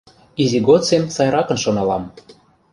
Изи годсем сайракын шоналам...